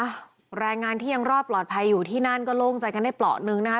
แรงงานที่ยังรอดปลอดภัยอยู่ที่นั่นก็โล่งใจกันได้เปราะหนึ่งนะคะ